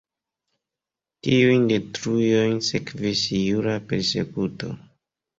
Tiujn detruojn sekvis jura persekuto.